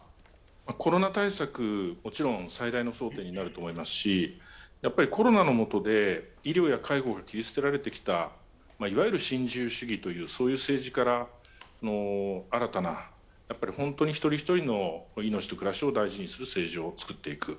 コロナ対策、もちろん最大の争点になると思いますしやっぱりコロナのもとで医療や介護が切り捨てられてきた、いわゆる心中主義というそういう政治から新たな、本当に一人一人の命と暮らしを大事にする政治を作っていく。